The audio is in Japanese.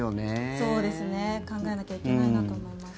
そうですね。考えなきゃいけないと思います。